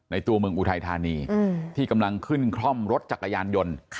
ตัวเมืองอุทัยธานีที่กำลังขึ้นคล่อมรถจักรยานยนต์